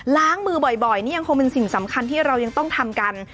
ล้างมือบ่อยนี่ยังคงเป็นสิ่งสำคัญที่เรายังต้องทำกัน